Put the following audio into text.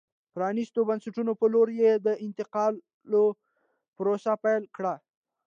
پرانیستو بنسټونو په لور یې د انتقال پروسه پیل کړه.